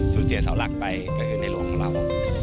ซู๊นเสียเสารักไปกระยุมของเรา